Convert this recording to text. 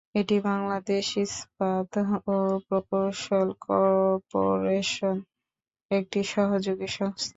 এটি বাংলাদেশ ইস্পাত ও প্রকৌশল কর্পোরেশনের একটি সহযোগী সংস্থা।